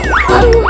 eh eh aikal menunggu